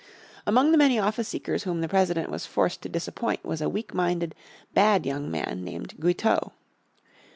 Among the many office seekers whom the President was forced to disappoint was a weak minded, bad young man named Guiteau.